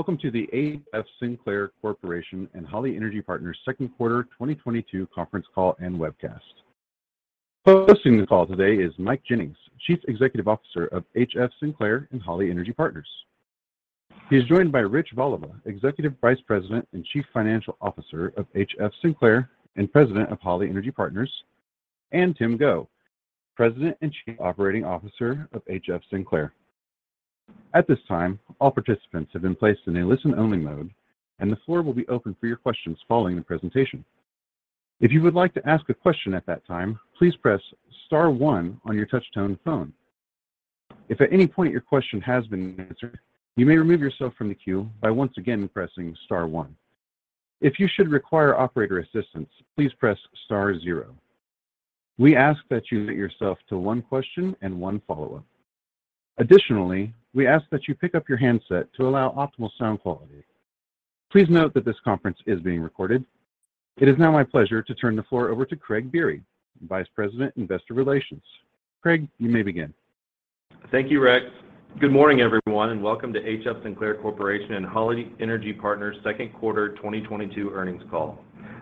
Welcome to the HF Sinclair Corporation and Holly Energy Partners second quarter 2022 conference call and webcast. Hosting the call today is Mike Jennings, Chief Executive Officer of HF Sinclair and Holly Energy Partners. He is joined by Rich Voliva, Executive Vice President and Chief Financial Officer of HF Sinclair and President of Holly Energy Partners, and Tim Go, President and Chief Operating Officer of HF Sinclair. At this time, all participants have been placed in a listen-only mode, and the floor will be open for your questions following the presentation. If you would like to ask a question at that time, please press star one on your touch-tone phone. If at any point your question has been answered, you may remove yourself from the queue by once again pressing star one. If you should require operator assistance, please press star zero. We ask that you limit yourself to one question and one follow-up. Additionally, we ask that you pick up your handset to allow optimal sound quality. Please note that this conference is being recorded. It is now my pleasure to turn the floor over to Craig Biery, Vice President, Investor Relations. Craig, you may begin. Thank you, Rex. Good morning, everyone, and welcome to HF Sinclair Corporation and Holly Energy Partners second quarter 2022 earnings call.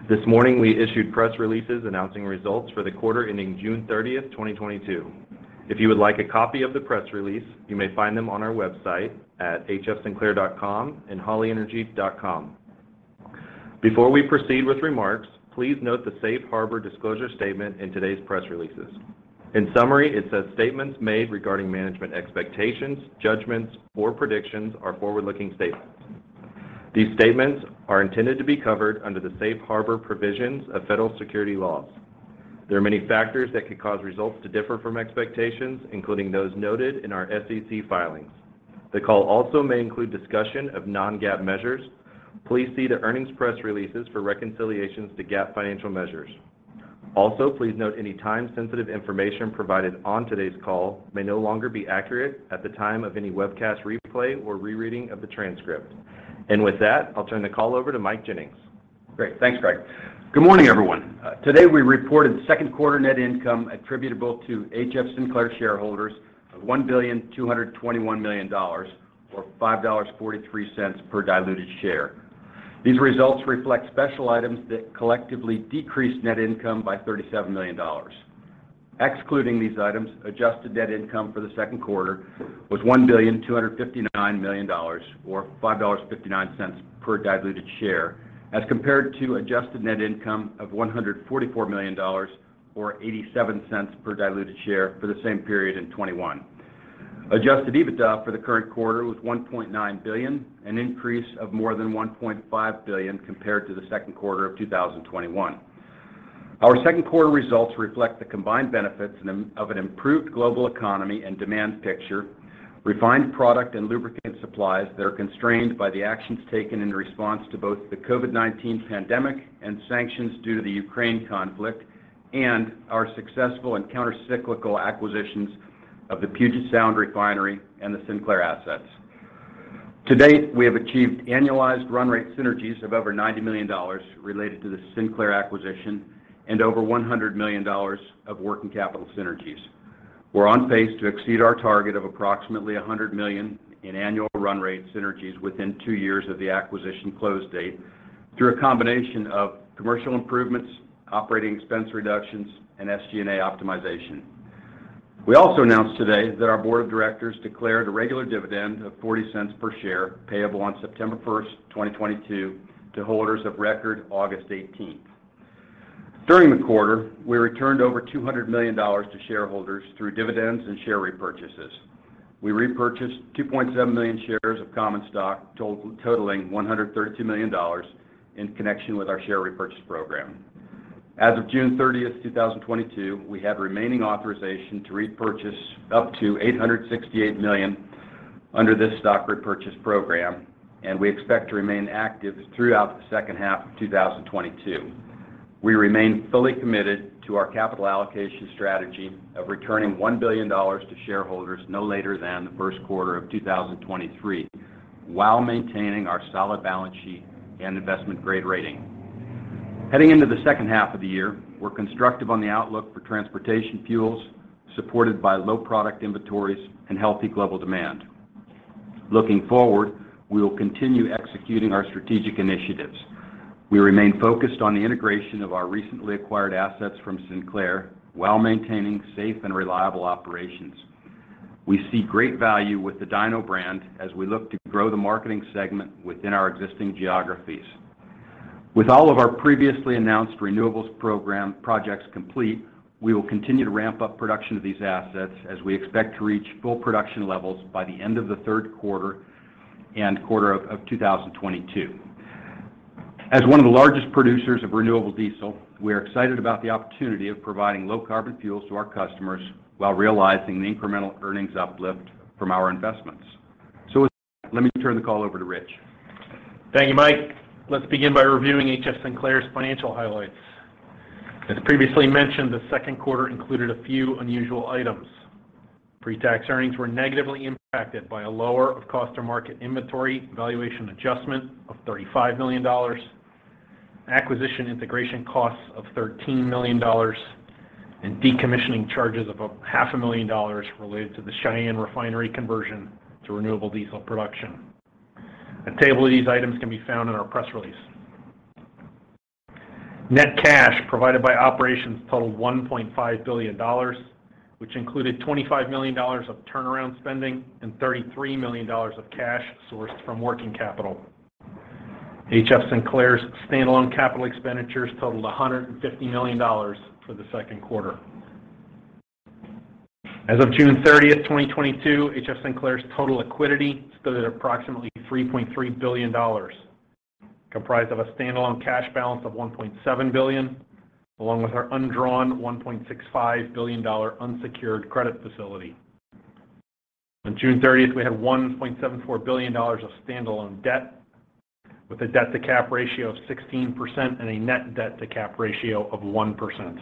This morning, we issued press releases announcing results for the quarter ending June 30th, 2022. If you would like a copy of the press release, you may find them on our website at hfsinclair.com and hollyenergy.com. Before we proceed with remarks, please note the safe harbor disclosure statement in today's press releases. In summary, it says statements made regarding management expectations, judgments or predictions are forward-looking statements. These statements are intended to be covered under the safe harbor provisions of federal security laws. There are many factors that could cause results to differ from expectations, including those noted in our SEC filings. The call also may include discussion of non-GAAP measures. Please see the earnings press releases for reconciliations to GAAP financial measures. Also, please note any time-sensitive information provided on today's call may no longer be accurate at the time of any webcast replay or rereading of the transcript. With that, I'll turn the call over to Mike Jennings. Great. Thanks, Craig. Good morning, everyone. Today, we reported second quarter net income attributable to HF Sinclair shareholders of $1.221 billion or $5.43 per diluted share. These results reflect special items that collectively decrease net income by $37 million. Excluding these items, adjusted net income for the second quarter was $1.259 billion or $5.59 per diluted share as compared to adjusted net income of $144 million or $0.87 per diluted share for the same period in 2021. Adjusted EBITDA for the current quarter was $1.9 billion, an increase of more than $1.5 billion compared to the second quarter of 2021. Our second quarter results reflect the combined benefits of an improved global economy and demand picture, refined product and lubricant supplies that are constrained by the actions taken in response to both the COVID-19 pandemic and sanctions due to the Ukraine conflict and our successful and counter-cyclical acquisitions of the Puget Sound Refinery and the Sinclair assets. To date, we have achieved annualized run rate synergies of over $90 million related to the Sinclair acquisition and over $100 million of working capital synergies. We're on pace to exceed our target of approximately $100 million in annual run rate synergies within two years of the acquisition close date through a combination of commercial improvements, operating expense reductions, and SG&A optimization. We also announced today that our Board of Directors declared a regular dividend of $0.40 per share payable on September 1st, 2022 to holders of record August 18, 2022. During the quarter, we returned over $200 million to shareholders through dividends and share repurchases. We repurchased 2.7 million shares of common stock totaling $132 million in connection with our share repurchase program. As of June 30th, 2022, we have remaining authorization to repurchase up to $868 million under this stock repurchase program, and we expect to remain active throughout the second half of 2022. We remain fully committed to our capital allocation strategy of returning $1 billion to shareholders no later than the first quarter of 2023 while maintaining our solid balance sheet and investment-grade rating. Heading into the second half of the year, we're constructive on the outlook for transportation fuels, supported by low product inventories and healthy global demand. Looking forward, we will continue executing our strategic initiatives. We remain focused on the integration of our recently acquired assets from Sinclair while maintaining safe and reliable operations. We see great value with the DINO brand as we look to grow the Marketing segment within our existing geographies. With all of our previously announced renewables program projects complete, we will continue to ramp up production of these assets as we expect to reach full production levels by the end of the third quarter of 2022. As one of the largest producers of renewable diesel, we are excited about the opportunity of providing low carbon fuels to our customers while realizing the incremental earnings uplift from our investments. With that, let me turn the call over to Rich. Thank you, Mike. Let's begin by reviewing HF Sinclair's financial highlights. As previously mentioned, the second quarter included a few unusual items. Pre-tax earnings were negatively impacted by a lower of cost or market inventory valuation adjustment of $35 million. Acquisition integration costs of $13 million and decommissioning charges of about $500,000 related to the Cheyenne refinery conversion to renewable diesel production. A table of these items can be found in our press release. Net cash provided by operations totaled $1.5 billion, which included $25 million of turnaround spending and $33 million of cash sourced from working capital. HF Sinclair's standalone capital expenditures totaled $150 million for the second quarter. As of June 30th, 2022, HF Sinclair's total liquidity stood at approximately $3.3 billion, comprised of a standalone cash balance of $1.7 billion, along with our undrawn $1.65 billion unsecured credit facility. On June 30th, 2022, we had $1.74 billion of standalone debt with a debt-to-cap ratio of 16% and a net debt-to-cap ratio of 1%.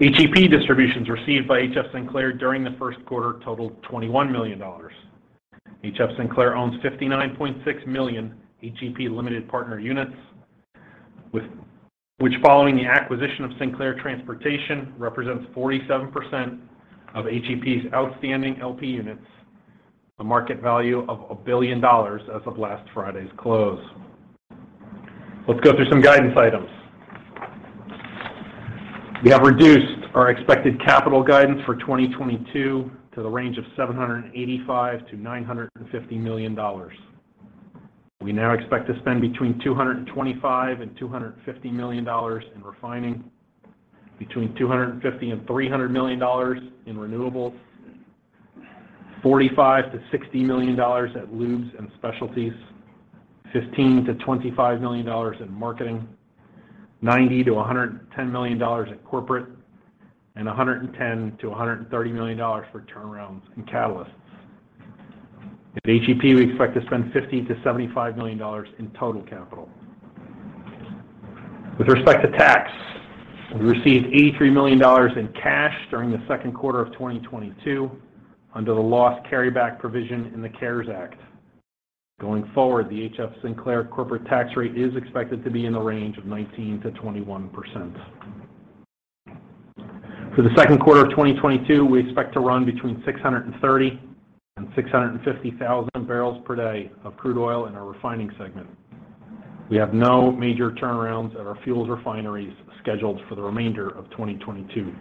HEP distributions received by HF Sinclair during the first quarter totaled $21 million. HF Sinclair owns 59.6 million HEP limited partner units with which following the acquisition of Sinclair Transportation, represents 47% of HEP's outstanding LP units, a market value of $1 billion as of last Friday's close. Let's go through some guidance items. We have reduced our expected capital guidance for 2022 to the range of $785 million-$950 million. We now expect to spend between $225 million and $250 million in Refining, between $250 million and $300 million in Renewables, $45 million-$60 million at Lubes and Specialties, $15 million-$25 million in Marketing, $90 million-$110 million at corporate, and $110 million-$130 million for turnarounds and catalysts. At HEP, we expect to spend $50 million-$75 million in total capital. With respect to tax, we received $83 million in cash during the second quarter of 2022 under the loss carryback provision in the CARES Act. Going forward, the HF Sinclair corporate tax rate is expected to be in the range of 19%-21%. For the second quarter of 2022, we expect to run between 630,000 bpd and 650,000 bpd of crude oil in our Refining segment. We have no major turnarounds at our fuels refineries scheduled for the remainder of 2022.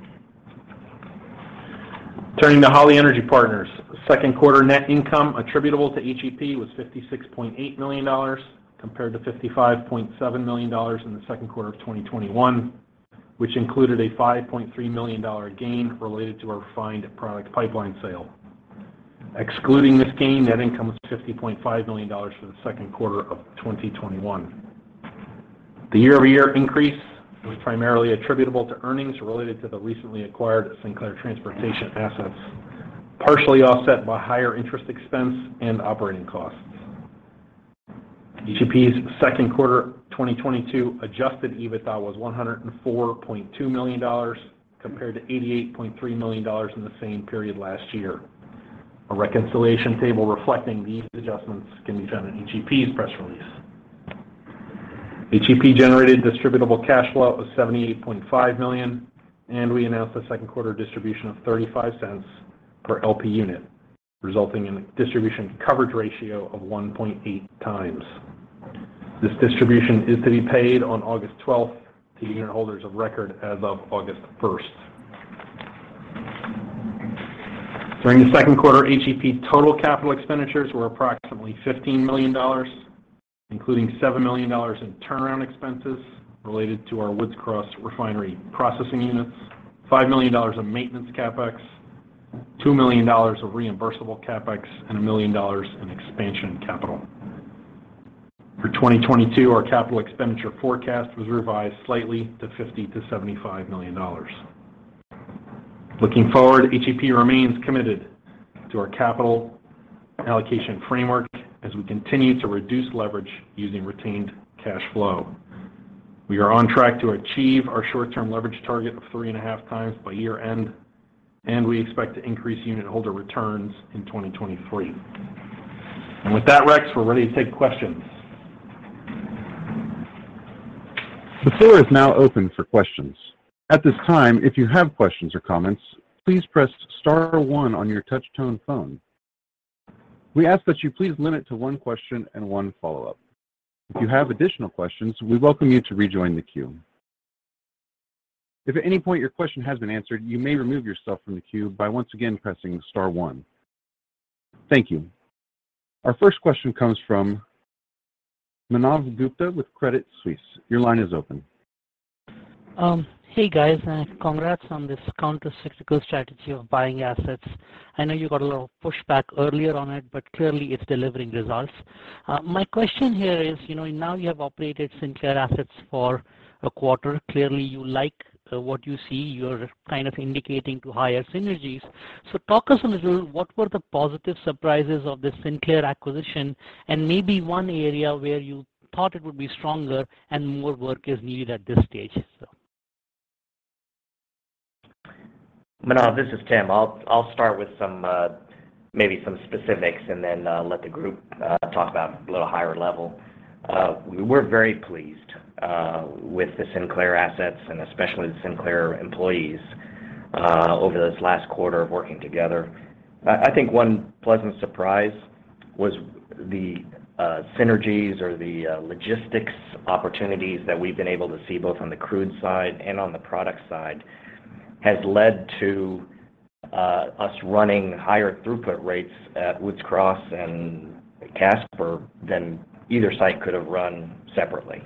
Turning to Holly Energy Partners. Second quarter net income attributable to HEP was $56.8 million compared to $55.7 million in the second quarter of 2021, which included a $5.3 million gain related to our refined product pipeline sale. Excluding this gain, net income was $50.5 million for the second quarter of 2021. The year-over-year increase was primarily attributable to earnings related to the recently acquired Sinclair Transportation assets, partially offset by higher interest expense and operating costs. HEP's second quarter 2022 adjusted EBITDA was $104.2 million compared to $88.3 million in the same period last year. A reconciliation table reflecting these adjustments can be found in HEP's press release. HEP generated distributable cash flow of $78.5 million, and we announced a second quarter distribution of $0.35 per LP unit, resulting in a distribution coverage ratio of 1.8x. This distribution is to be paid on August 12th, 2022 to unitholders of record as of August 1st, 2022. During the second quarter, HEP total capital expenditures were approximately $15 million, including $7 million in turnaround expenses related to our Woods Cross refinery processing units, $5 million of maintenance CapEx, $2 million of reimbursable CapEx, and $1 million in expansion capital. For 2022, our capital expenditure forecast was revised slightly to $50 million-$75 million. Looking forward, HEP remains committed to our capital allocation framework as we continue to reduce leverage using retained cash flow. We are on track to achieve our short-term leverage target of 3.5x by year-end, and we expect to increase unitholder returns in 2023. With that, Rex, we're ready to take questions. The floor is now open for questions. At this time, if you have questions or comments, please press star one on your touch-tone phone. We ask that you please limit to one question and one follow-up. If you have additional questions, we welcome you to rejoin the queue. If at any point your question has been answered, you may remove yourself from the queue by once again pressing star one. Thank you. Our first question comes from Manav Gupta with Credit Suisse. Your line is open. Hey, guys, and congrats on this counter-cyclical strategy of buying assets. I know you got a little pushback earlier on it, but clearly it's delivering results. My question here is, you know, now you have operated Sinclair assets for a quarter. Clearly, you like, what you see. You're kind of indicating to higher synergies. Talk us a little, what were the positive surprises of the Sinclair acquisition and maybe one area where you thought it would be stronger and more work is needed at this stage? Manav, this is Tim. I'll start with some maybe some specifics and then let the group talk about a little higher level. We're very pleased with the Sinclair assets and especially the Sinclair employees over this last quarter of working together. I think one pleasant surprise was the synergies or the logistics opportunities that we've been able to see both on the crude side and on the product side has led to us running higher throughput rates at Woods Cross and Casper than either site could have run separately.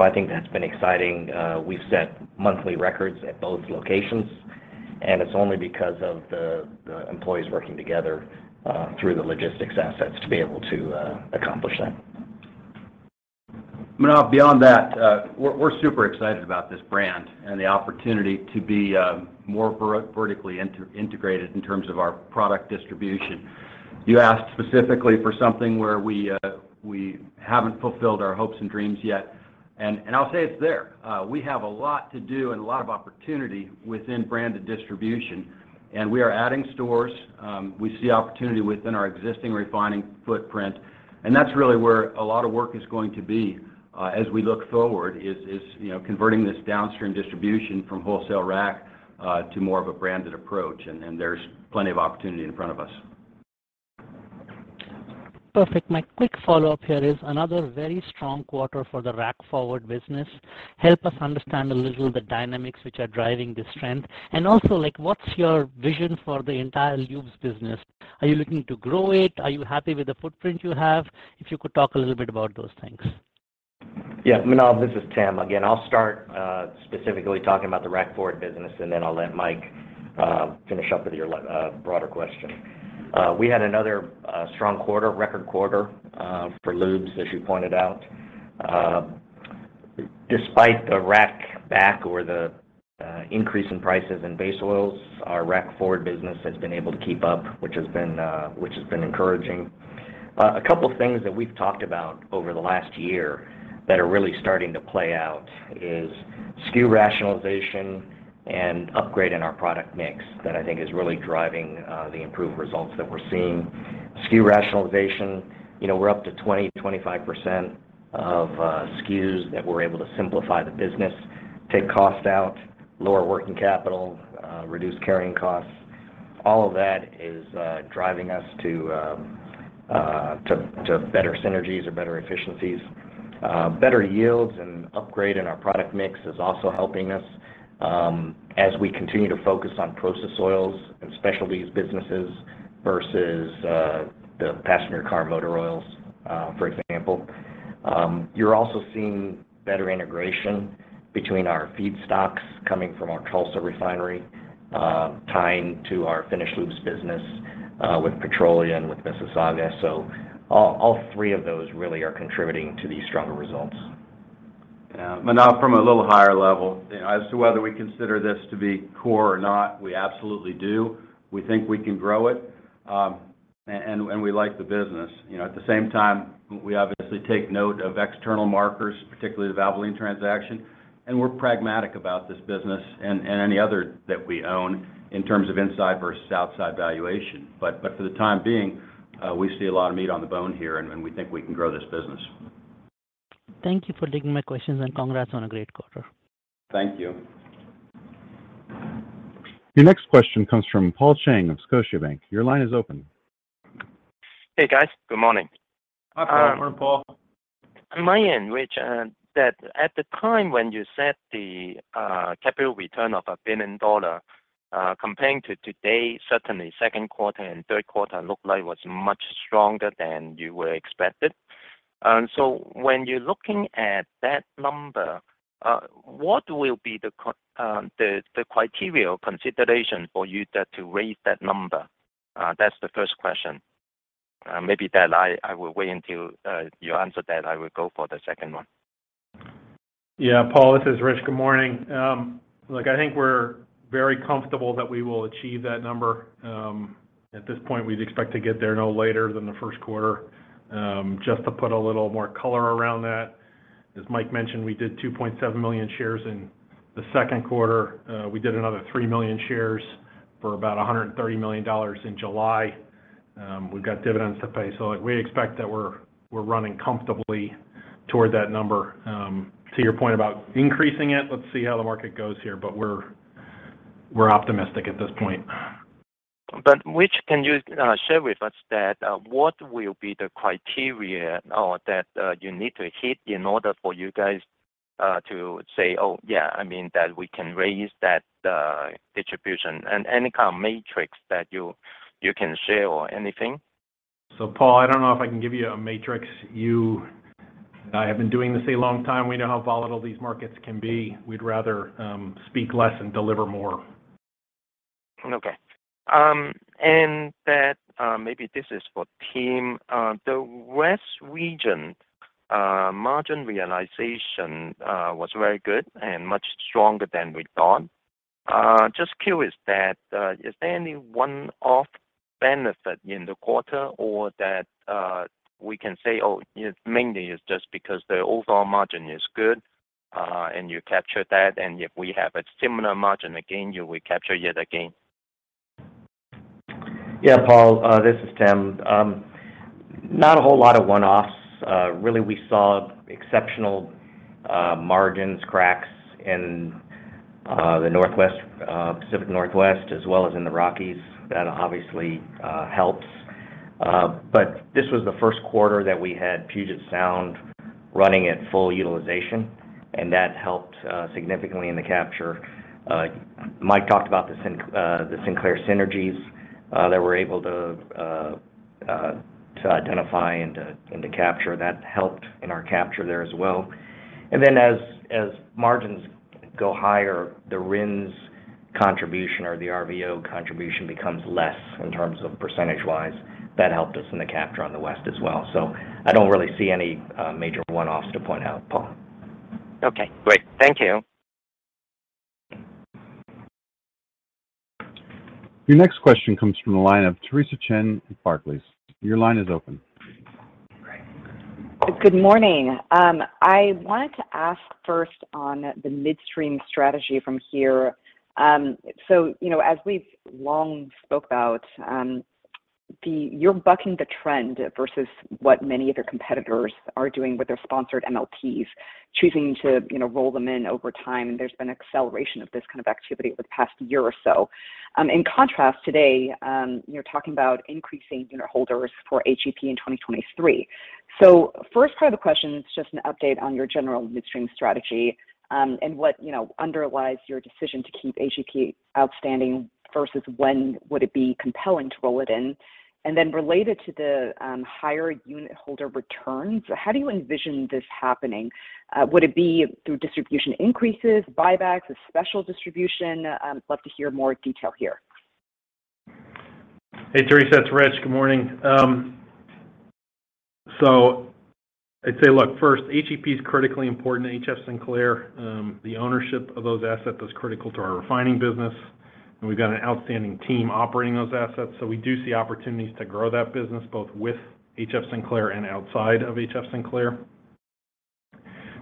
I think that's been exciting. We've set monthly records at both locations, and it's only because of the employees working together through the logistics assets to be able to accomplish that. Manav, beyond that, we're super excited about this brand and the opportunity to be more vertically integrated in terms of our product distribution. You asked specifically for something where we haven't fulfilled our hopes and dreams yet. I'll say it's there. We have a lot to do and a lot of opportunity within branded distribution, and we are adding stores. We see opportunity within our existing refining footprint, and that's really where a lot of work is going to be as we look forward, you know, converting this downstream distribution from wholesale rack to more of a branded approach, and there's plenty of opportunity in front of us. Perfect. My quick follow-up here is another very strong quarter for the rack forward business. Help us understand a little the dynamics which are driving this trend. Also, like, what's your vision for the entire Lubes business? Are you looking to grow it? Are you happy with the footprint you have? If you could talk a little bit about those things. Yeah. Manav, this is Tim. Again, I'll start specifically talking about the rack forward business, and then I'll let Mike finish up with your broader question. We had another strong quarter, record quarter for Lubes, as you pointed out. Despite the rack back or the increase in prices in base oils, our rack forward business has been able to keep up, which has been encouraging. A couple of things that we've talked about over the last year that are really starting to play out is SKU rationalization and upgrade in our product mix that I think is really driving the improved results that we're seeing. SKU rationalization, you know, we're up to 20%-25% of SKUs that we're able to simplify the business, take cost out, lower working capital, reduce carrying costs. All of that is driving us to better synergies or better efficiencies. Better yields and upgrade in our product mix is also helping us, as we continue to focus on process oils and Specialties businesses versus the passenger car motor oils, for example. You're also seeing better integration between our feedstocks coming from our Tulsa refinery, tying to our finished Lubes business, with Petro-Canada and with Mississauga. All three of those really are contributing to these stronger results. Yeah. Manav, from a little higher level, as to whether we consider this to be core or not, we absolutely do. We think we can grow it, and we like the business. You know, at the same time, we obviously take note of external markers, particularly the Valvoline transaction, and we're pragmatic about this business and any other that we own in terms of inside versus outside valuation. For the time being, we see a lot of meat on the bone here, and we think we can grow this business. Thank you for taking my questions, and congrats on a great quarter. Thank you. Your next question comes from Paul Cheng of Scotiabank. Your line is open. Hey, guys. Good morning. Hi, Paul. Morning, Paul. On my end, Rich, that at the time when you set the capital return of $1 billion, comparing to today, certainly second quarter and third quarter looked like was much stronger than you were expected. So when you're looking at that number, what will be the criteria or consideration for you there to raise that number? That's the first question. Maybe, Dale, I will wait until you answer that. I will go for the second one. Yeah. Paul, this is Rich. Good morning. Look, I think we're very comfortable that we will achieve that number. At this point, we'd expect to get there no later than the first quarter. Just to put a little more color around that, as Mike mentioned, we did 2.7 million shares in the second quarter. We did another 3 million shares for about $130 million in July 2022. We've got dividends to pay. Like, we expect that we're running comfortably toward that number. To your point about increasing it, let's see how the market goes here, but we're optimistic at this point. Rich, can you share with us what will be the criteria or that you need to hit in order for you guys to say, "Oh, yeah." I mean that we can raise that distribution. Any kind of metrics that you can share or anything? Paul, I don't know if I can give you a matrix. You and I have been doing this a long time. We know how volatile these markets can be. We'd rather speak less and deliver more. Okay. Maybe this is for Tim. The West region margin realization was very good and much stronger than we thought. Just curious, is there any one-off benefit in the quarter or that we can say, "Oh, it mainly is just because the overall margin is good"? You captured that, and if we have a similar margin again, you will capture it again? Yeah, Paul, this is Tim. Not a whole lot of one-offs. Really, we saw exceptional margin cracks in the Northwest, Pacific Northwest as well as in the Rockies. That obviously helps. This was the first quarter that we had Puget Sound running at full utilization, and that helped significantly in the capture. Mike talked about the Sinclair synergies that we're able to identify and capture. That helped in our capture there as well. As margins go higher, the RINs contribution or the RVO contribution becomes less in terms of percentage-wise. That helped us in the capture on the West as well. I don't really see any major one-offs to point out, Paul. Okay, great. Thank you. Your next question comes from the line of Theresa Chen at Barclays. Your line is open. Good morning. I wanted to ask first on the Midstream strategy from here. You know, as we've long spoke about, you're bucking the trend versus what many of your competitors are doing with their sponsored MLPs, choosing to, you know, roll them in over time, and there's been acceleration of this kind of activity over the past year or so. In contrast today, you're talking about increasing unitholders for HEP in 2023. First part of the question is just an update on your general Midstream strategy, and what, you know, underlies your decision to keep HEP outstanding versus when would it be compelling to roll it in? Related to the higher unitholder returns, how do you envision this happening? Would it be through distribution increases, buybacks, a special distribution? I'd love to hear more detail here. Hey, Theresa. It's Rich. Good morning. I'd say, look, first, HEP is critically important to HF Sinclair. The ownership of those assets is critical to our Refining business, and we've got an outstanding team operating those assets. We do see opportunities to grow that business, both with HF Sinclair and outside of HF Sinclair.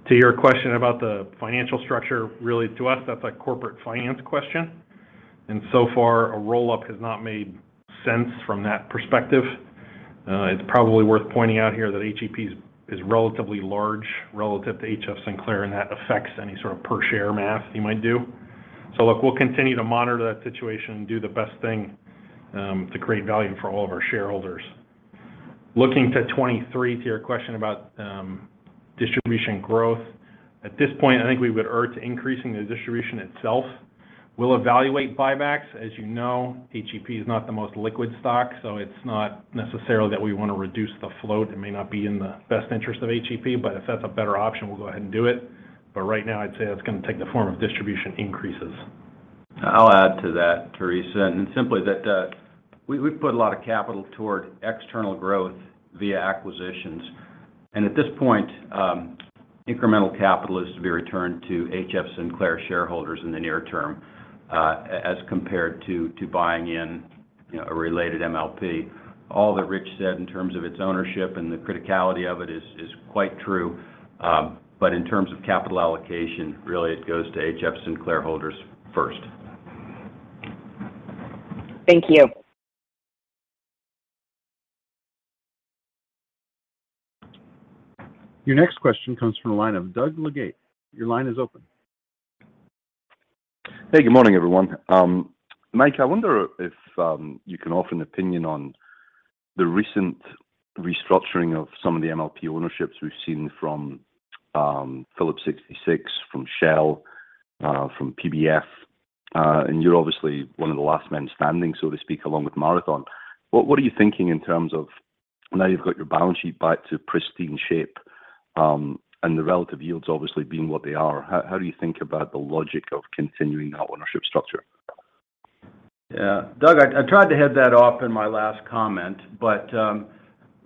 To your question about the financial structure, really to us, that's a corporate finance question. So far a roll-up has not made sense from that perspective. It's probably worth pointing out here that HEP is relatively large relative to HF Sinclair, and that affects any sort of per share math you might do. Look, we'll continue to monitor that situation and do the best thing to create value for all of our shareholders. Looking to 2023, to your question about distribution growth. At this point, I think we would err towards increasing the distribution itself. We'll evaluate buybacks. As you know, HEP is not the most liquid stock, so it's not necessarily that we want to reduce the float. It may not be in the best interest of HEP, but if that's a better option, we'll go ahead and do it. Right now, I'd say that's gonna take the form of distribution increases. I'll add to that, Theresa. Simply that, we've put a lot of capital toward external growth via acquisitions. At this point, incremental capital is to be returned to HF Sinclair shareholders in the near term, as compared to buying in, you know, a related MLP. All that Rich said in terms of its ownership and the criticality of it is quite true. In terms of capital allocation, really it goes to HF Sinclair holders first. Thank you. Your next question comes from the line of Doug Leggate. Your line is open. Hey, good morning, everyone. Mike, I wonder if you can offer an opinion on the recent restructuring of some of the MLP ownerships we've seen from Phillips 66, from Shell, from PBF. You're obviously one of the last men standing, so to speak, along with Marathon. What are you thinking in terms of now you've got your balance sheet back to pristine shape, and the relative yields obviously being what they are, how do you think about the logic of continuing that ownership structure? Yeah. Doug, I tried to head that off in my last comment, but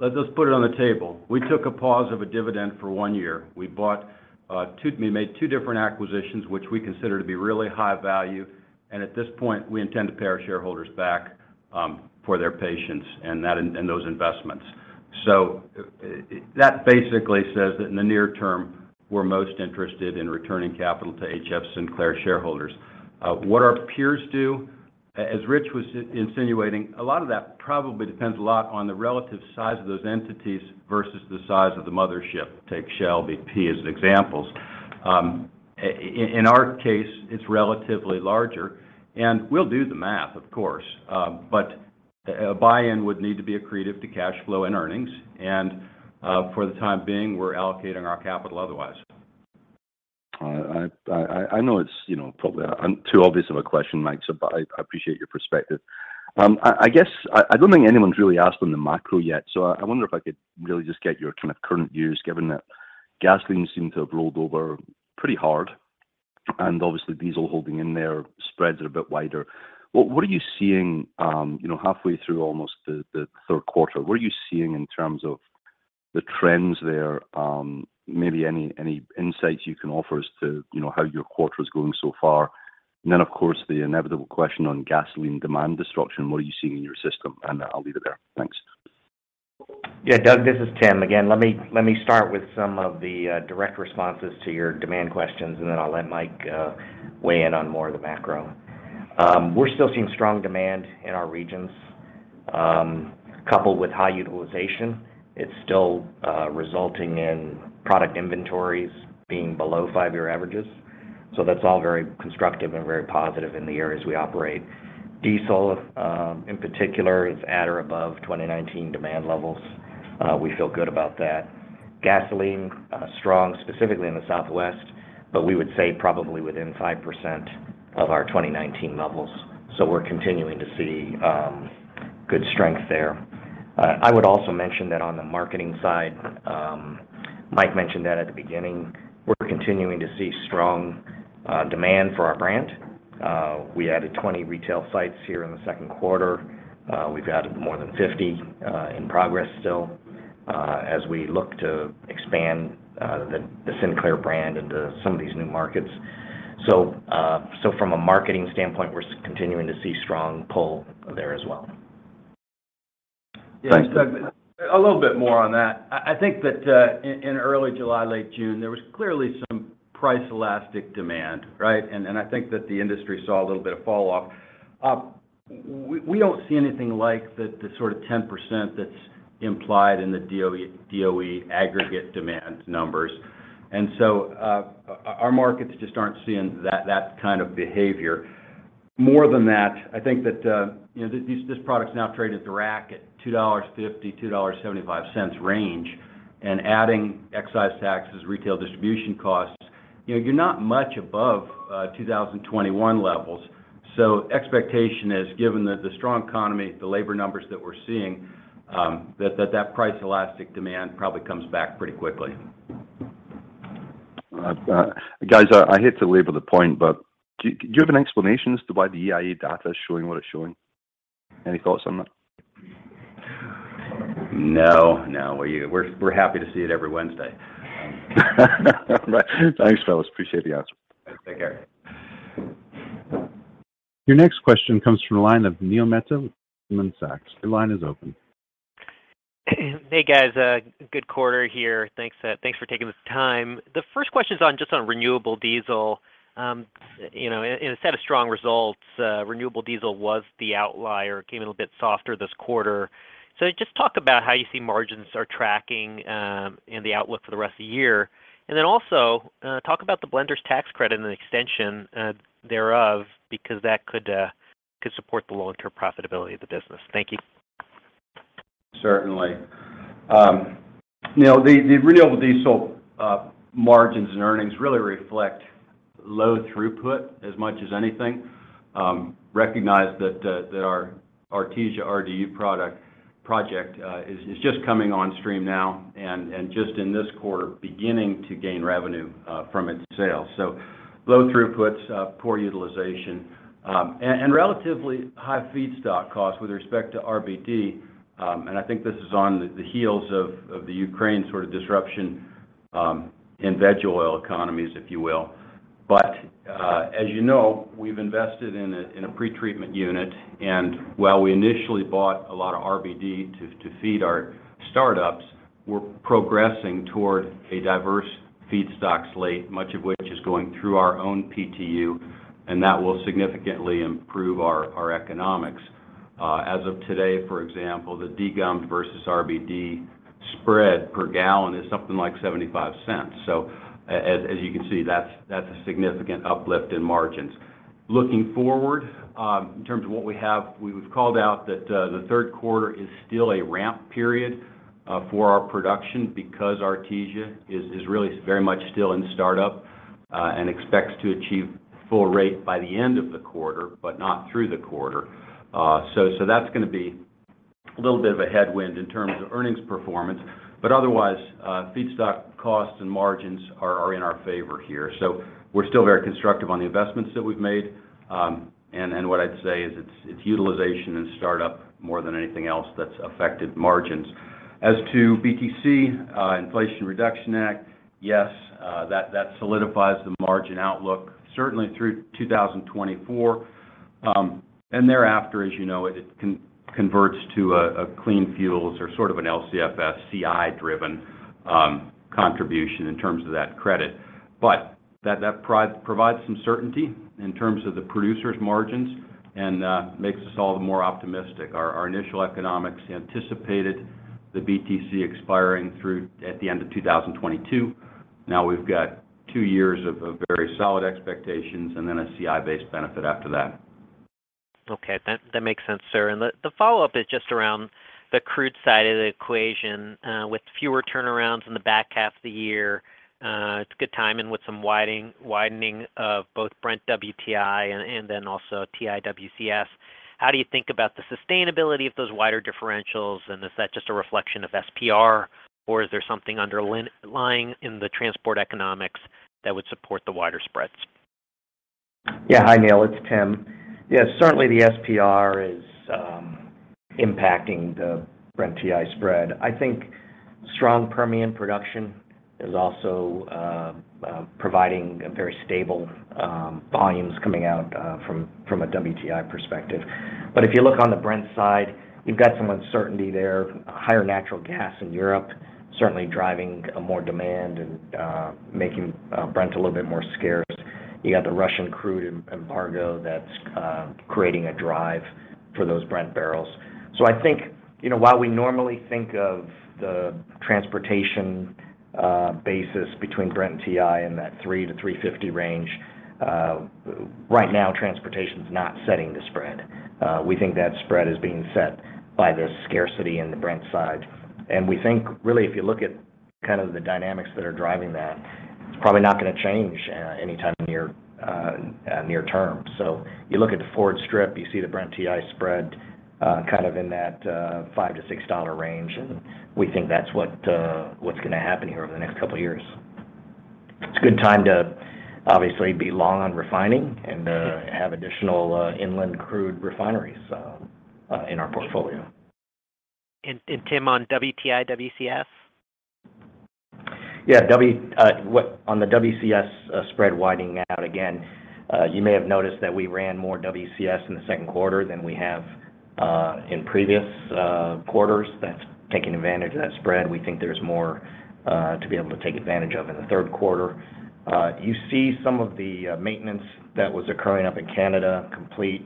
let's just put it on the table. We took a pause of a dividend for one year. We made two different acquisitions, which we consider to be really high value. At this point, we intend to pay our shareholders back for their patience and those investments. That basically says that in the near term, we're most interested in returning capital to HF Sinclair shareholders. What our peers do, as Rich was insinuating, a lot of that probably depends a lot on the relative size of those entities versus the size of the mothership. Take Shell, BP as examples. In our case, it's relatively larger, and we'll do the math, of course. A buy-in would need to be accretive to cash flow and earnings. For the time being, we're allocating our capital otherwise. I know it's, you know, probably too obvious of a question, Mike, so but I appreciate your perspective. I guess I don't think anyone's really asked on the macro yet, so I wonder if I could really just get your kind of current views, given that gasoline seemed to have rolled over pretty hard and obviously diesel holding in there, spreads are a bit wider. What are you seeing, you know, halfway through almost the third quarter? What are you seeing in terms of the trends there? Maybe any insights you can offer as to, you know, how your quarter is going so far? Then, of course, the inevitable question on gasoline demand destruction, what are you seeing in your system? I'll leave it there. Thanks. Yeah, Doug, this is Tim again. Let me start with some of the direct responses to your demand questions, and then I'll let Mike weigh in on more of the macro. We're still seeing strong demand in our regions, coupled with high utilization. It's still resulting in product inventories being below five-year averages, so that's all very constructive and very positive in the areas we operate. Diesel in particular is at or above 2019 demand levels. We feel good about that. Gasoline strong specifically in the Southwest, but we would say probably within 5% of our 2019 levels. We're continuing to see good strength there. I would also mention that on the Marketing side, Mike mentioned that at the beginning, we're continuing to see strong demand for our brand. We added 20 retail sites here in the second quarter. We've added more than 50 in progress still, as we look to expand the Sinclair brand into some of these new markets. From a marketing standpoint, we're continuing to see strong pull there as well. Thanks. Yeah, Doug, a little bit more on that. I think that in early July, late June, there was clearly some price elastic demand, right? I think that the industry saw a little bit of fall off. We don't see anything like the sort of 10% that's implied in the DOE aggregate demand numbers. Our markets just aren't seeing that kind of behavior. More than that, I think that, you know, this product is now traded at the rack $2.50-$2.75 range, and adding excise taxes, retail distribution costs, you know, you're not much above 2021 levels. Expectation is, given the strong economy, the labor numbers that we're seeing, that price elastic demand probably comes back pretty quickly. Guys, I hate to labor the point, but do you have an explanation as to why the EIA data is showing what it's showing? Any thoughts on that? No. We're happy to see it every Wednesday. Thanks, fellas. Appreciate the answer. Take care. Your next question comes from the line of Neil Mehta with Goldman Sachs. Your line is open. Hey, guys. Good quarter here. Thanks for taking the time. The first question's just on renewable diesel. You know, in a set of strong results, renewable diesel was the outlier. Came in a bit softer this quarter. Just talk about how you see margins are tracking, and the outlook for the rest of the year. Then also, talk about the blender's tax credit and extension thereof, because that could support the long-term profitability of the business. Thank you. Certainly. You know, the renewable diesel margins and earnings really reflect low throughput as much as anything. Recognize that our Artesia RDU project is just coming on stream now and just in this quarter, beginning to gain revenue from its sales. Low throughputs, poor utilization, and relatively high feedstock costs with respect to RBD. I think this is on the heels of the Ukraine sort of disruption in veg oil economies, if you will. As you know, we've invested in a pretreatment unit, and while we initially bought a lot of RBD to feed our startups, we're progressing toward a diverse feedstock slate, much of which is going through our own PTU, and that will significantly improve our economics. As of today, for example, the degummed versus RBD spread per gallon is something like $0.75. As you can see, that's a significant uplift in margins. Looking forward, in terms of what we have, we've called out that the third quarter is still a ramp period for our production because Artesia is really very much still in startup and expects to achieve full rate by the end of the quarter, but not through the quarter. That's gonna be a little bit of a headwind in terms of earnings performance. Otherwise, feedstock costs and margins are in our favor here. We're still very constructive on the investments that we've made. What I'd say is it's utilization and startup more than anything else that's affected margins. As to BTC, Inflation Reduction Act, yes, that solidifies the margin outlook certainly through 2024. Thereafter, as you know, it converts to a clean fuels or sort of an LCFS CI-driven contribution in terms of that credit. That provides some certainty in terms of the producer's margins and makes us all the more optimistic. Our initial economics anticipated the BTC expiring at the end of 2022. Now we've got two years of very solid expectations and then a CI-based benefit after that. Okay. That makes sense, sir. The follow-up is just around the crude side of the equation, with fewer turnarounds in the back half of the year. It's a good time in with some widening of both Brent WTI and then also WTI WCS. How do you think about the sustainability of those wider differentials, and is that just a reflection of SPR, or is there something underlying in the transport economics that would support the wider spreads? Yeah. Hi, Neil. It's Tim. Yeah, certainly, the SPR is impacting the Brent-WTI spread. I think strong Permian production is also providing very stable volumes coming out from a WTI perspective. If you look on the Brent side, you've got some uncertainty there. Higher natural gas in Europe certainly driving more demand and making Brent a little bit more scarce. You got the Russian crude embargo that's creating a drive for those Brent barrels. I think, you know, while we normally think of the transportation basis between Brent and WTI in that $3-$3.50 range, right now transportation's not setting the spread. We think that spread is being set by the scarcity in the Brent side. We think really if you look at kind of the dynamics that are driving that, it's probably not gonna change anytime near term. You look at the forward strip, you see the Brent-WTI spread kind of in that $5-$6 range, and we think that's what's gonna happen here over the next couple years. It's a good time to obviously be long on refining and have additional inland crude refineries in our portfolio. Tim, on WTI WCS? Yeah. On the WCS spread widening out again, you may have noticed that we ran more WCS in the second quarter than we have in previous quarters. That's taking advantage of that spread. We think there's more to be able to take advantage of in the third quarter. You see some of the maintenance that was occurring up in Canada complete,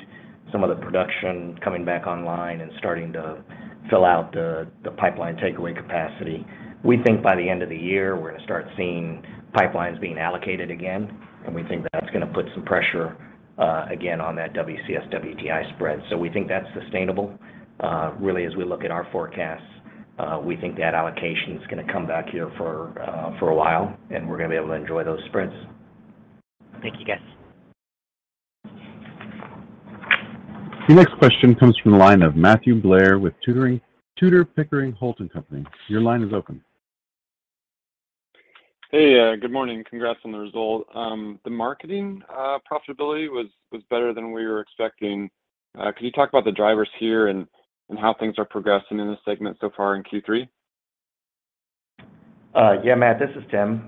some of the production coming back online and starting to fill out the pipeline takeaway capacity. We think by the end of the year, we're gonna start seeing pipelines being allocated again, and we think that's gonna put some pressure again on that WCS-WTI spread. We think that's sustainable. Really, as we look at our forecasts, we think that allocation's gonna come back here for a while, and we're gonna be able to enjoy those spreads. Thank you, guys. The next question comes from the line of Matthew Blair with Tudor, Pickering, Holt & Co. Your line is open. Hey, good morning. Congrats on the result. The Marketing profitability was better than we were expecting. Can you talk about the drivers here and how things are progressing in this segment so far in Q3? Matthew, this is Tim.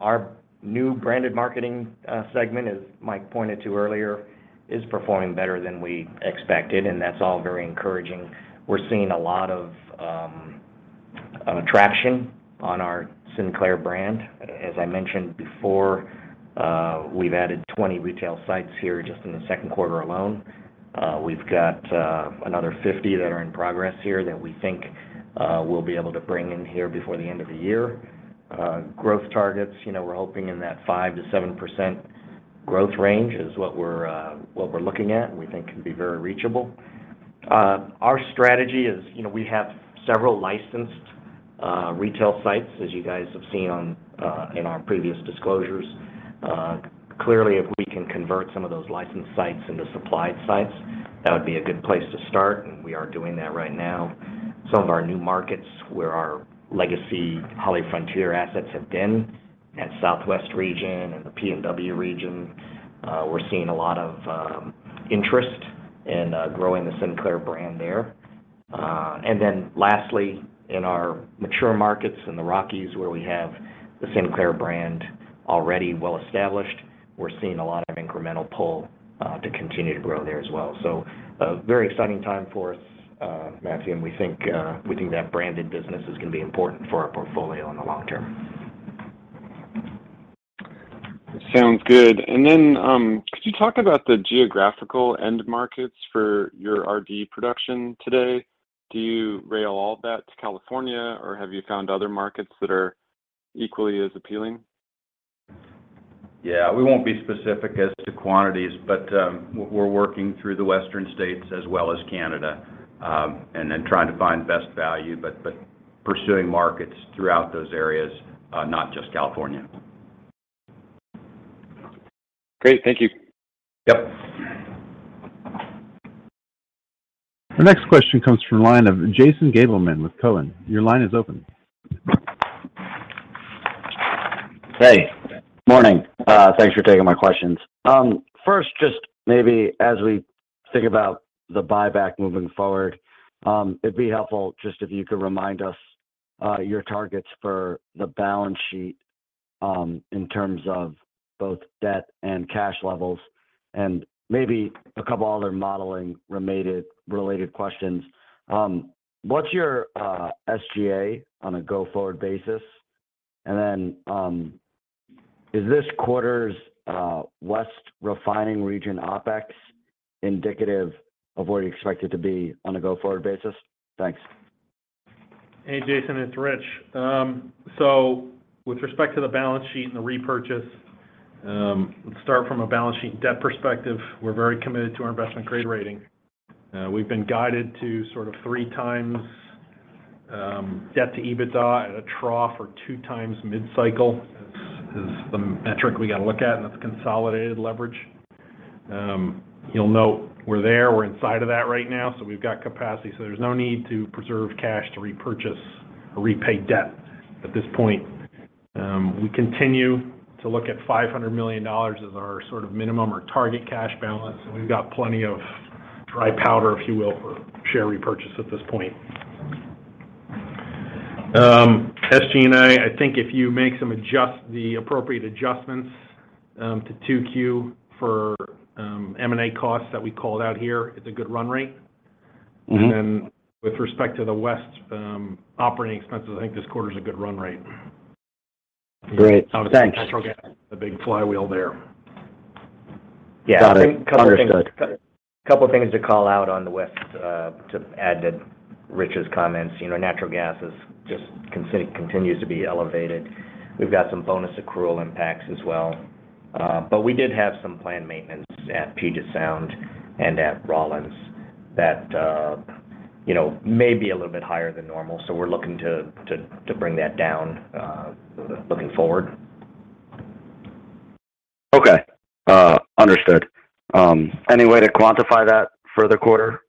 Our new branded Marketing segment, as Mike pointed to earlier, is performing better than we expected, and that's all very encouraging. We're seeing a lot of traction on our Sinclair brand. As I mentioned before, we've added 20 retail sites here just in the second quarter alone. We've got another 50 that are in progress here that we think we'll be able to bring in here before the end of the year. Growth targets, you know, we're hoping in that 5%-7% growth range is what we're looking at, and we think can be very reachable. Our strategy is, you know, we have several licensed retail sites, as you guys have seen in our previous disclosures. Clearly, if we can convert some of those licensed sites into supplied sites, that would be a good place to start, and we are doing that right now. Some of our new markets where our legacy HollyFrontier assets have been at Southwest region and the PNW region, we're seeing a lot of interest in growing the Sinclair brand there. Lastly, in our mature markets in the Rockies, where we have the Sinclair brand already well-established, we're seeing a lot of incremental pull to continue to grow there as well. A very exciting time for us, Matthew, and we think that branded business is gonna be important for our portfolio in the long term. Sounds good. Could you talk about the geographical end markets for your RD production today? Do you rail all that to California, or have you found other markets that are equally as appealing? Yeah. We won't be specific as to quantities, but we're working through the Western states as well as Canada, and then trying to find best value, but pursuing markets throughout those areas, not just California. Great. Thank you. Yep. The next question comes from the line of Jason Gabelman with Cowen. Your line is open. Hey. Morning. Thanks for taking my questions. First, just maybe as we think about the buyback moving forward, it'd be helpful just if you could remind us your targets for the balance sheet in terms of both debt and cash levels, and maybe a couple other modeling related questions. What's your SG&A on a go-forward basis? And then, is this quarter's West refining region OpEx indicative of where you expect it to be on a go-forward basis? Thanks. Hey, Jason. It's Rich. With respect to the balance sheet and the repurchase, let's start from a balance sheet debt perspective. We're very committed to our investment-grade rating. We've been guided to sort of 3x debt to EBITDA at a trough or 2x mid-cycle is the metric we gotta look at, and that's consolidated leverage. You'll note we're there. We're inside of that right now, so we've got capacity. There's no need to preserve cash to repurchase or repay debt at this point. We continue to look at $500 million as our sort of minimum or target cash balance. We've got plenty of dry powder, if you will, for share repurchase at this point. SG&A, I think if you make some appropriate adjustments to 2Q '24 M&A costs that we called out here, it's a good run rate. Mm-hmm. With respect to the West, operating expenses, I think this quarter is a good run rate. Great. Thanks. Obviously, natural gas, the big flywheel there. Yeah. Got it. Understood. A couple things to call out on the West, to add to Rich's comments. Natural gas is just continues to be elevated. We've got some bonus accrual impacts as well. We did have some planned maintenance at Puget Sound and at Navajo that may be a little bit higher than normal, so we're looking to bring that down looking forward. Okay. Understood. Any way to quantify that for the quarter?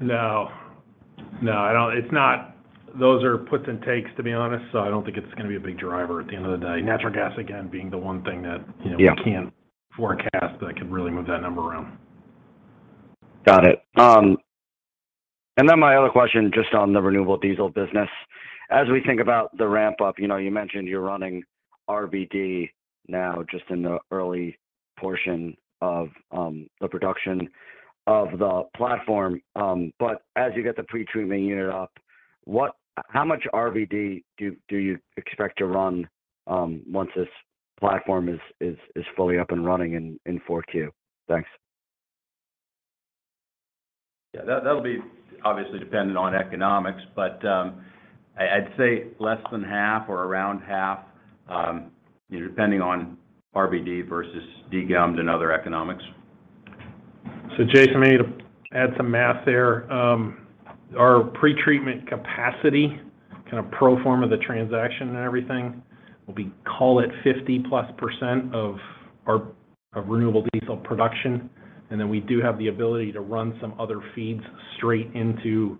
No, I don't. Those are puts and takes, to be honest, so I don't think it's gonna be a big driver at the end of the day. Natural gas, again, being the one thing that, you know. Yeah We can't forecast that could really move that number around. Got it. My other question just on the renewable diesel business. As we think about the ramp-up, you know, you mentioned you're running RBD now just in the early portion of the production of the platform. As you get the pretreatment unit up, how much RBD do you expect to run once this platform is fully up and running in 4Q? Thanks. Yeah, that'll be obviously dependent on economics, but I'd say less than half or around half, you know, depending on RBD versus degummed and other economics. Jason, maybe to add some math there. Our pretreatment capacity, kind of pro forma the transaction and everything, will be, call it 50%+ of our renewable diesel production. We do have the ability to run some other feeds straight into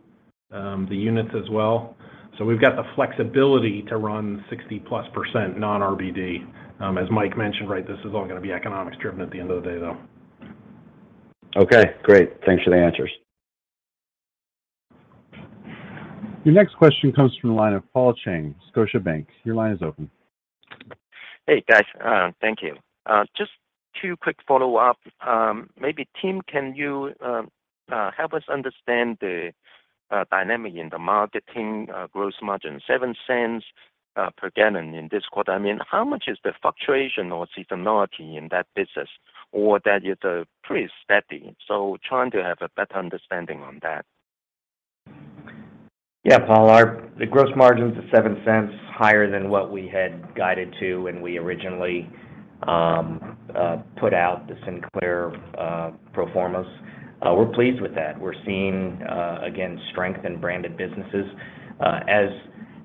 the units as well. We've got the flexibility to run 60%+ non-RBD. As Mike mentioned, right, this is all gonna be economics-driven at the end of the day, though. Okay, great. Thanks for the answers. Your next question comes from the line of Paul Cheng, Scotiabank. Your line is open. Hey, guys. Thank you. Just two quick follow-up. Maybe Tim, can you help us understand the dynamic in the Marketing gross margin, $0.07 per gallon in this quarter? I mean, how much is the fluctuation or seasonality in that business or that is pretty steady? Trying to have a better understanding on that. Yeah, Paul, the gross margin is at $0.07 higher than what we had guided to when we originally put out the Sinclair pro formas. We're pleased with that. We're seeing again strength in branded businesses.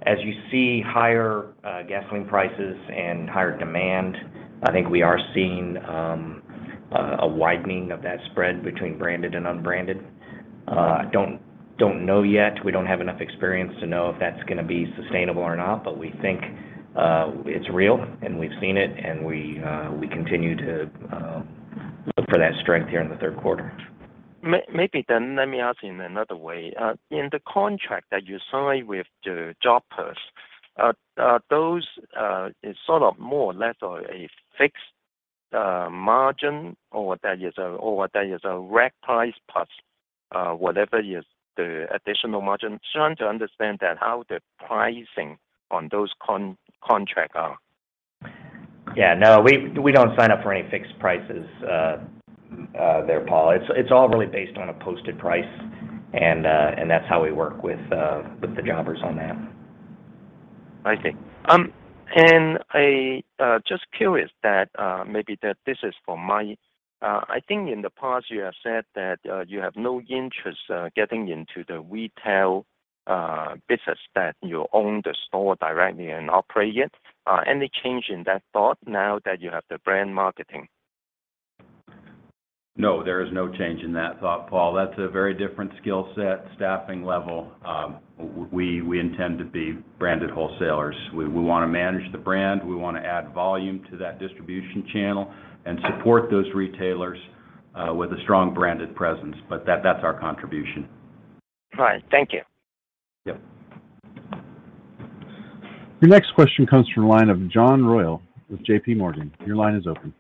As you see higher gasoline prices and higher demand, I think we are seeing a widening of that spread between branded and unbranded. Don't know yet. We don't have enough experience to know if that's gonna be sustainable or not, but we think it's real, and we've seen it, and we continue to look for that strength here in the third quarter. Maybe let me ask in another way. In the contract that you sign with the jobbers, are those sort of more or less a fixed margin or that is a rack price plus whatever is the additional margin? Trying to understand that, how the pricing on those contract are. Yeah, no, we don't sign up for any fixed prices, there, Paul. It's all really based on a posted price and that's how we work with the jobbers on that. I see. I'm just curious that maybe this is for Mike. I think in the past you have said that you have no interest in getting into the retail business that you own the store directly and operate it. Any change in that thought now that you have the brand marketing? No, there is no change in that thought, Paul. That's a very different skill set, staffing level. We intend to be branded wholesalers. We wanna manage the brand. We wanna add volume to that distribution channel and support those retailers with a strong branded presence, but that's our contribution. All right. Thank you. Yep. Your next question comes from the line of John Royall with JPMorgan. Your line is open.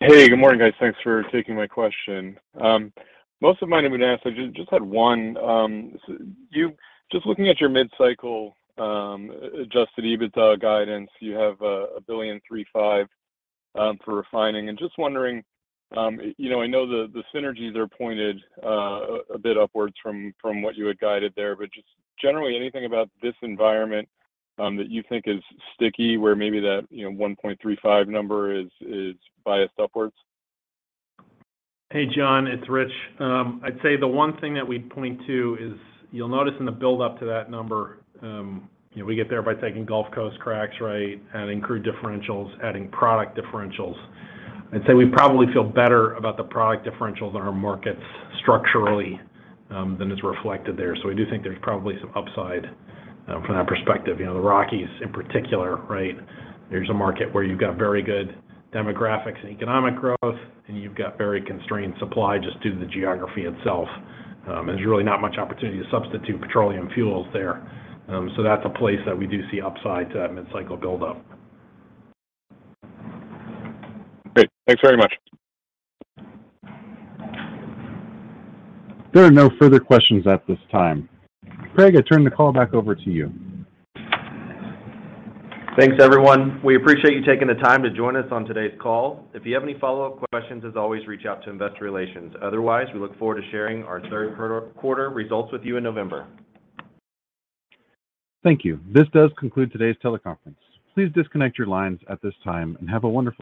Hey, good morning, guys. Thanks for taking my question. Most of mine have been asked. I just had one. Just looking at your mid-cycle adjusted EBITDA guidance, you have $1.35 billion for Refining. Just wondering, you know, I know the synergies are pointed a bit upwards from what you had guided there. Generally, anything about this environment that you think is sticky, where maybe that 1.35 number is biased upwards? Hey, John Royall, it's Rich. I'd say the one thing that we'd point to is you'll notice in the buildup to that number, you know, we get there by taking Gulf Coast cracks, right? Adding crude differentials, adding product differentials. I'd say we probably feel better about the product differentials in our markets structurally, than is reflected there. We do think there's probably some upside, from that perspective. You know, the Rockies in particular, right? There's a market where you've got very good demographics and economic growth, and you've got very constrained supply just due to the geography itself. There's really not much opportunity to substitute petroleum fuels there. That's a place that we do see upside to that mid-cycle buildup. Great. Thanks very much. There are no further questions at this time. Craig, I turn the call back over to you. Thanks, everyone. We appreciate you taking the time to join us on today's call. If you have any follow-up questions, as always, reach out to Investor Relations. Otherwise, we look forward to sharing our third quarter results with you in November. Thank you. This does conclude today's teleconference. Please disconnect your lines at this time, and have a wonderful day.